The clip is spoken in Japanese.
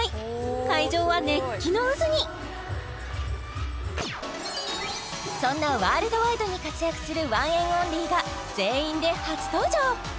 会場は熱気の渦にそんなワールドワイドに活躍するＯＮＥＮ’ＯＮＬＹが全員で初登場！